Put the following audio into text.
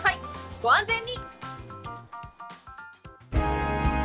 ご安全に。